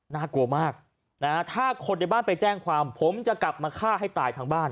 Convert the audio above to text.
น่ากลัวมากนะฮะถ้าคนในบ้านไปแจ้งความผมจะกลับมาฆ่าให้ตายทั้งบ้าน